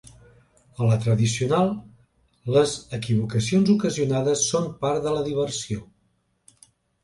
A la tradicional, les equivocacions ocasionades són part de la diversió.